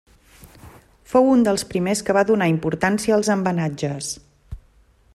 Fou un dels primers que va donar importància als embenatges.